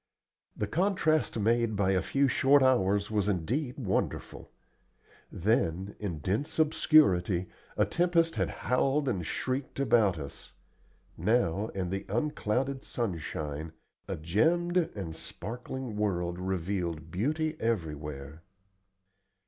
The contrast made by a few short hours was indeed wonderful. Then, in dense obscurity, a tempest had howled and shrieked about us; now, in the unclouded sunshine, a gemmed and sparkling world revealed beauty everywhere.